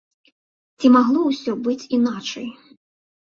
Ці магло ўсё быць іначай?